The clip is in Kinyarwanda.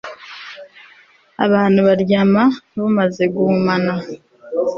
abantu baryama bumaze guhumana